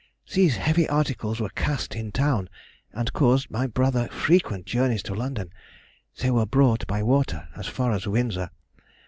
These heavy articles were cast in town, and caused my brother frequent journeys to London, they were brought by water as far as Windsor....